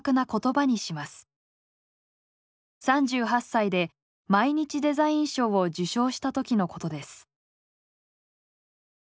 ３８歳で「毎日デザイン賞」を受賞したときのことです。